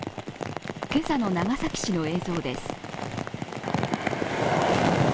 今朝の長崎市の映像です。